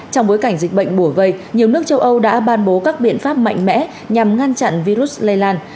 trong bối cảnh dịch bệnh bổ vây nhiều nước châu âu đã ban bố các biện pháp mạnh mẽ nhằm ngăn chặn virus lây lan